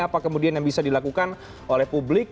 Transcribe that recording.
apa kemudian yang bisa dilakukan oleh publik